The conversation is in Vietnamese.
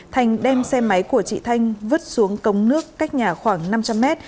thành đem xe máy của chị thanh vứt xuống cống nước cách nhà khoảng năm trăm linh mét